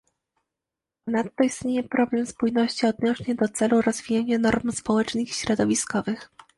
Ponadto istnieje problem spójności odnośnie do celu rozwijania norm społecznych i środowiskowych